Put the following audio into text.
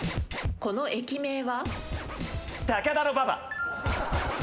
この駅名は？